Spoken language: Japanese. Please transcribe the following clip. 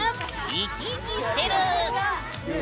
生き生きしてる！